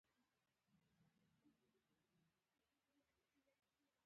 د ملګرتیا معیار باید صداقت وي.